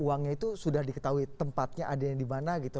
uangnya itu sudah diketahui tempatnya ada dimana gitu